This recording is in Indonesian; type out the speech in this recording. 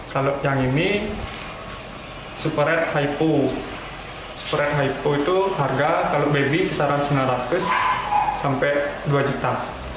kalau yang ini super red hypo super red hypo itu harga kalau baby kisaran sembilan ratus sampai dua juta